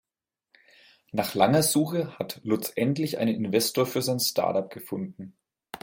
Nach langer Suche hat Lutz endlich einen Investor für sein Startup gefunden.